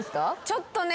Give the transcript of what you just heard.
ちょっとね。